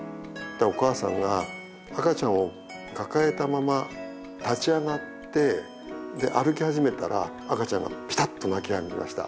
お母さんが赤ちゃんを抱えたまま立ち上がって歩き始めたら赤ちゃんがピタッと泣きやみました。